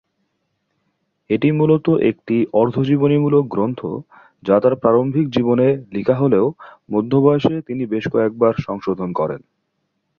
এটি মূলত একটি অর্ধ-জীবনীমূলক গ্রন্থ যা তার প্রারম্ভিক জীবনে লিখা হলেও মধ্য বয়সে তিনি বেশ কয়েকবার সংশোধন করেন।